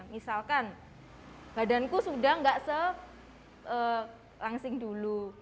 misalkan badanku sudah enggak se langsing dulu